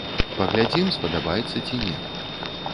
Паглядзім, спадабаецца ці не.